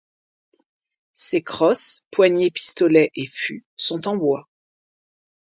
Ses crosse, poignée-pistolet et fût sont en bois.